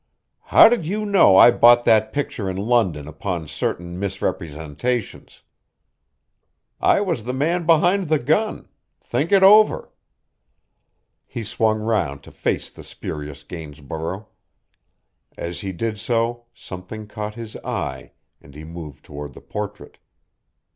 "How did you know I bought that picture in London upon certain misrepresentations?" "I was the man behind the gun think it over." He swung round to face the spurious Gainsborough. As he did so something caught his eye and he moved toward the portrait.